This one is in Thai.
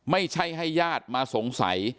ไม่ใช่ให้ญาติมาสงสัย